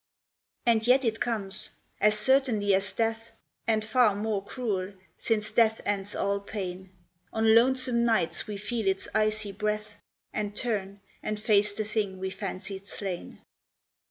And yet it comes. As certainly as death, And far more cruel since death ends all pain, On lonesome nights we feel its icy breath, And turn and face the thing we fancied slain.